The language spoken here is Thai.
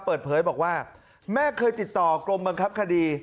เปิดเผยบอกว่าแม่เคยติดต่อกรมบังคับคดี